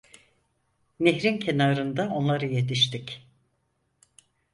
Nehrin kenarında onlara yetiştik…